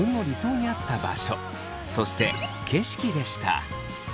そして景色でした。